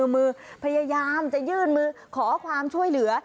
มือพยายามจะยื่นมือขอความช่วยเหลือ